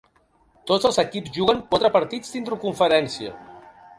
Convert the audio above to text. Tots els equips juguen quatre partits d'interconferència